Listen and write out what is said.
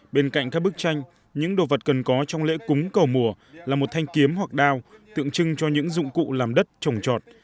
bên cạnh các bức tranh những đồ vật cần có trong lễ cúng cầu mùa là một thanh kiếm hoặc đao tượng trưng cho những dụng cụ làm đất trồng trọt